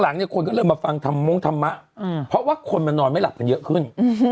เนี่ยคนก็เริ่มมาฟังธรรมงธรรมะเพราะว่าคนมันนอนไม่หลับกันเยอะขึ้น